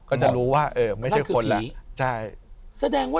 ก็จะรู้ว่าไม่ใช่คนแล้ว